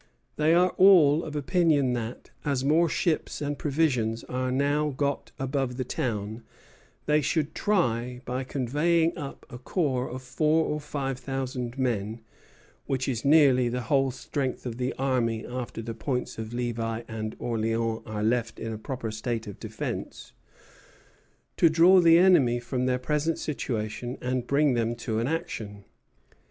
They are all of opinion that, as more ships and provisions are now got above the town, they should try, by conveying up a corps of four or five thousand men (which is nearly the whole strength of the army after the Points of Levi and Orleans are left in a proper state of defence), to draw the enemy from their present situation and bring them to an action.